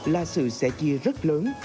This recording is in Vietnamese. là sự sẽ chia rất lớn